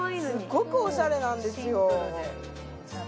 すっごくおしゃれなんですよ